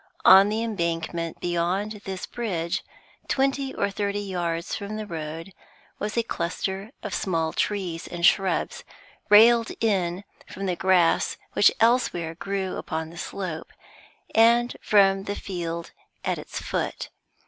On the embankment beyond this bridge, twenty or thirty yards from the road, was a cluster of small trees and shrubs, railed in from the grass which elsewhere grew upon the slope, and from the field at its foot.